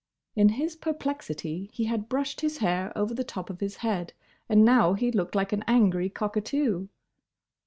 In his perplexity he had brushed his hair over the top of his head, and now he looked like an angry cockatoo.